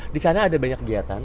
di sana ada banyak kegiatan